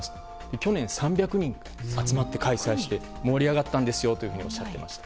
去年３００人集まって開催して盛り上がったんだとおっしゃっていました。